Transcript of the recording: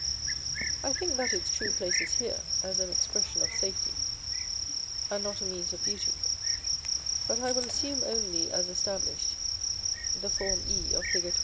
I think that its true place is here, as an expression of safety, and not a means of beauty; but I will assume only, as established, the form e of Fig.